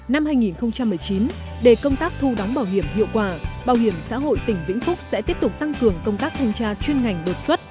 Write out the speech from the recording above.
năm hai nghìn một mươi chín để công tác thu đóng bảo hiểm hiệu quả bảo hiểm xã hội tỉnh vĩnh phúc sẽ tiếp tục tăng cường công tác thanh tra chuyên ngành đột xuất